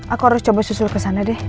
aku harus coba susul kesana deh